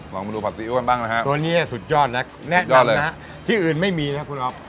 ลองมาดูผัดซีอิ๊วกันบ้างนะฮะตัวเนี้ยสุดยอดแล้วแนะนำนะฮะที่อื่นไม่มีนะครับคุณออฟ